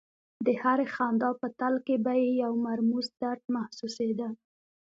د هرې خندا په تل کې به یې یو مرموز درد محسوسېده